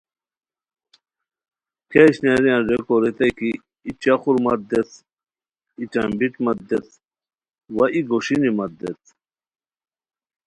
کیہ اشناریان ریکو ریتائے کی ای چخور مت دیت، ای ٹَمبیٹ مت دیت وا ای گوݰینی مت دیت